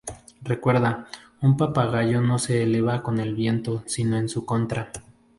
Recuerda, un papagayo no se eleva con el viento sino en su contra".